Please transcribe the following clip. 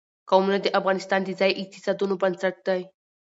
قومونه د افغانستان د ځایي اقتصادونو بنسټ دی.